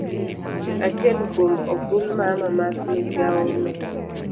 Achiel kuom ogulmama mag migawono